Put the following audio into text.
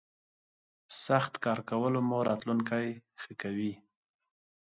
سخت کار کولو مو راتلوونکی ښه کوي.